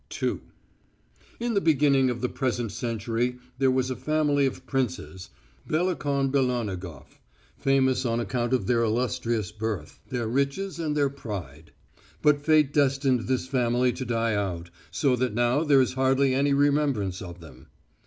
II In the beginning of the present century there was a family of princes, Belokon Belonogof, famous on account of their illustrious birth, their riches and their pride. But fate destined this family to die out, so that now there is hardly any remembrance of them.